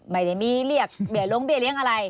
ไม่ได้มีเรียกเบี้ยลงเบี้เลี้ยงอะไร